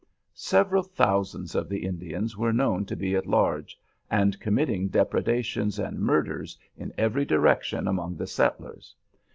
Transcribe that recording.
Several thousands of the Indians were known to be at large, and committing depredations and murders in every direction among the settlers.